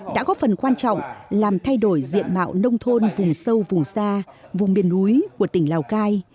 đã góp phần quan trọng làm thay đổi diện mạo nông thôn vùng sâu vùng xa vùng miền núi của tỉnh lào cai